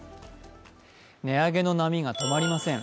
値上げの波が止まりません。